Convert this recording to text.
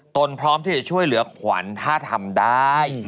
พร้อมที่จะช่วยเหลือขวัญถ้าทำได้